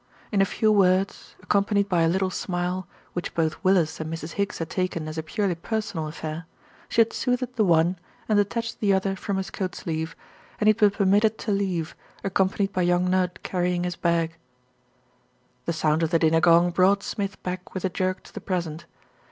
In a few words, accompanied by a little smile, which both Willis and Mrs Higgs had taken as a purely per sonal affair, she had soothed the one, and detached the other from his coat sleeve, and he had been permitted to leave, accompanied by young Nudd carrying his bag. The sound of the dinner gong brought Smith back with a jerk to the present.